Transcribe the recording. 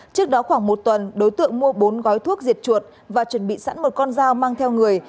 trước đó khoảng một tuần đối tượng mua bốn gói thuốc diệt chuột và chuẩn bị sẵn một con dao mang theo người